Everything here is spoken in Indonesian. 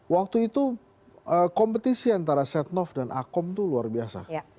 waktu itu kompetisi antara setnov dan akom itu luar biasa